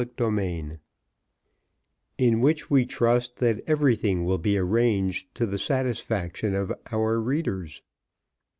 Chapter LV In which we trust that everything will be arranged to the satisfaction of our readers.